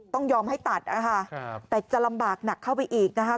ต้องยอมให้ตัดนะคะแต่จะลำบากหนักเข้าไปอีกนะคะ